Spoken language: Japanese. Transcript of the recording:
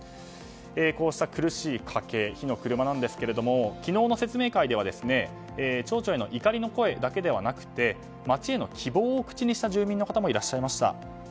こうした苦しい家計火の車なんですが昨日の説明会では町長への怒りの声だけではなくて町への希望を口にした住民の方もいらっしゃいました。